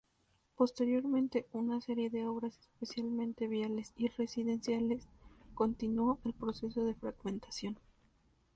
Posteriormente una serie de obras especialmente viales y residenciales, continuó el proceso de fragmentación.